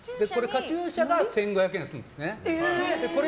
カチューシャが１５００円するんですね。